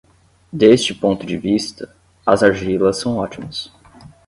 Deste ponto de vista, as argilas são ótimas.